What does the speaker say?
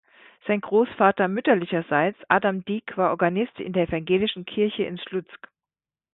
Sein Großvater mütterlicherseits Adam Dik war Organist der evangelischen Kirche in Sluzk.